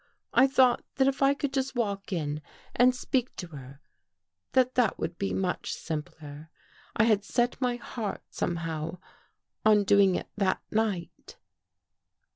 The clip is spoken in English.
I thought that if I could just walk in and speak to her, that that would be much simpler. I had set my heart, somehow, on doing it that night."